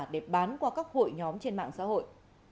để bán qua các hội nhóm trên mạng xã hội